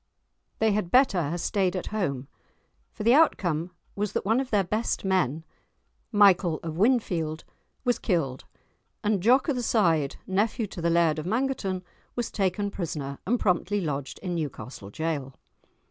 "They had better hae staid at home," for the outcome was that one of their best men, Michael of Winfield, was killed, and Jock o' the Side, nephew to the Laird of Mangerton, was taken prisoner, and promptly lodged in Newcastle Jail.